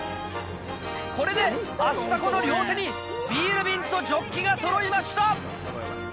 これでアスタコの両手にビール瓶とジョッキがそろいました！